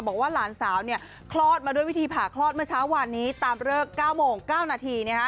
บอกว่าหลานสาวคลอดมาด้วยวิธีผ่าคลอดเมื่อเช้าวานนี้ตามเลิก๙โมง๙นาที